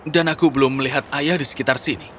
dan aku belum melihat ayah di sekitar sini